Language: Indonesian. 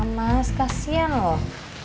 mas kasian loh